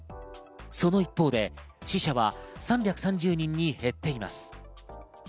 その一方で死者は３３０人に減っています。